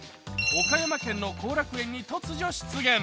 岡山県の後楽園に突如出現。